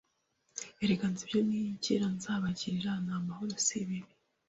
Erega nzi ibyo nibwira nzabagirira! Ni amahoro si bibi,